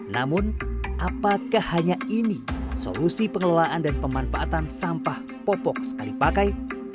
namun apakah hanya ini solusi pengelolaan dan pemanfaatan sampah popok sekali pakai